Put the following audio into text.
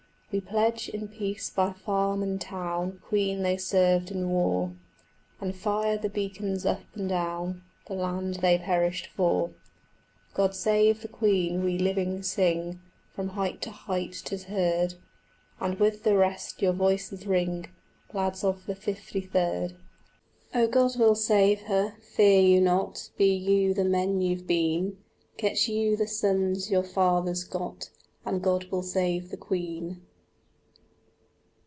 We pledge in peace by farm and town The Queen they served in war, And fire the beacons up and down The land they perished for. "God Save the Queen" we living sing, From height to height 'tis heard; And with the rest your voices ring, Lads of the Fifty third. Oh, God will save her, fear you not: Be you the men you've been, Get you the sons your fathers got, And God will Save the Queen.